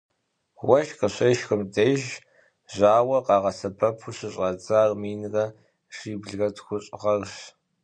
Уэшх къыщешхым деж жьауэр къагъэсэбэпу щыщӏадзар минрэ щиблрэ тхущӏ гъэрщ.